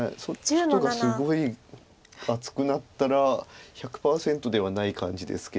外がすごい厚くなったら１００％ではない感じですけれど。